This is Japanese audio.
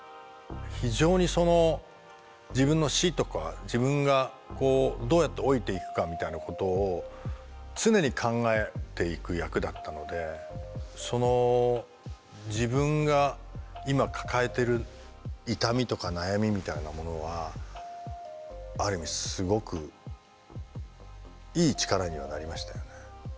非常にその自分の死とか自分がこうどうやって老いていくかみたいなことを常に考えていく役だったのでその自分が今抱えている痛みとか悩みみたいなものはある意味すごくいい力にはなりましたよね。